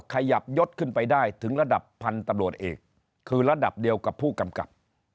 ขยับยศขึ้นไปได้ถึงระดับพันธุ์ตำรวจเอกคือระดับเดียวกับผู้กำกับ